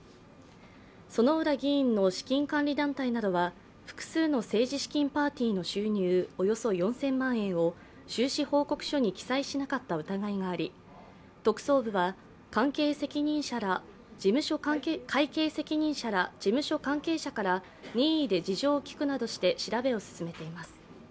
薗浦議員の資金管理団体などは複数の政治資金パーティーの収入およそ４０００万円を収支報告書に記載しなかった疑いがあり、特捜部は会計責任者ら事務所関係者から任意で事情を聴くなどして調べを進めています。